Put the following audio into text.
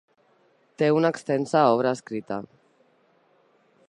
Té una extensa obra escrita.